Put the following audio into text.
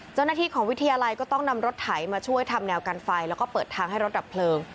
เจ้าหน้าที่ของวิทยาลัยก็ต้องนำรถไถมาช่วยทำแนวกันไฟแล้วก็เปิดทางให้รถดับเพลิง